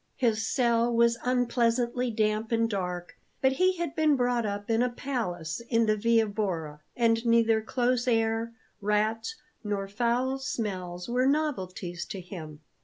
His cell was unpleasantly damp and dark; but he had been brought up in a palace in the Via Borra, and neither close air, rats, nor foul smells were novelties to him.